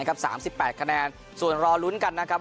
๓๘คะแนนส่วนรอลุ้นกันนะครับ